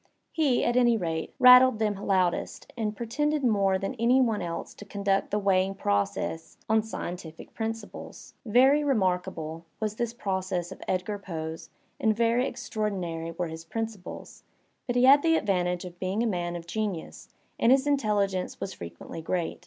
He, at any rate, rattled them loudest, and pretended more than any one else to conduct the weighing process on scientific principles. Very remarkable* was this process of Edgar Poe's and veiy extraordinary were his principles; but he had the advantage of being a man of genius and his intelligence was frequently great.